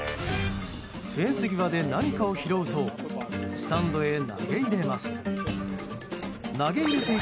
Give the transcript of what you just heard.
フェンス際で何かを拾うとスタンドへ投げ入れます。